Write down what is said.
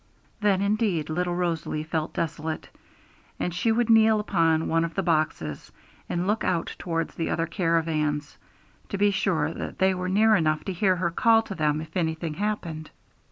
Then indeed little Rosalie felt desolate; and she would kneel upon one of the boxes, and look out towards the other caravans, to be sure that they were near enough to hear her call to them if anything happened.